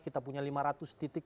kita punya lima ratus titik